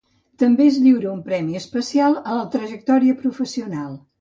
També es lliura un premi especial a la trajectòria professional.